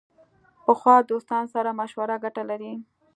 پخو دوستانو سره مشوره ګټه لري